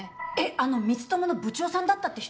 あの光友の部長さんだったって人？